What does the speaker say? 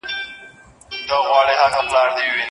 ناسم لیکل د لوستلو خوند کموي.